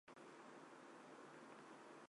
桃儿七属是小檗科下的一个属。